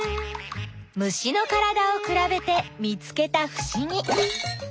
虫のからだをくらべて見つけたふしぎ。